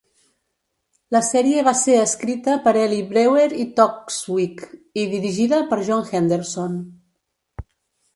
La serie va ser escrita per Elly Brewer i Toksvig, i dirigida per John Henderson.